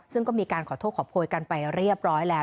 ซึ่งก็มีการขอโทษขอโพยกันไปเรียบร้อยแล้ว